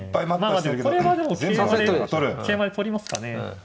まあでもこれは桂馬で取りますかね。